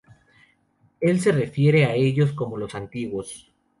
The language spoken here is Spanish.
Él se refiere a ellos como "Los Antiguos".